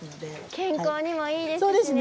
健康にもいいですしね。